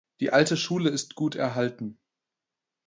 Die alte Schule ist gut erhalten.